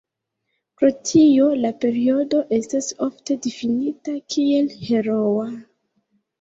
Pro tio la periodo estas ofte difinita kiel "heroa".